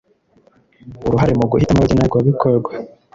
uruhare mu guhitamo abagenerwabikorwa